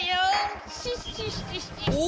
お！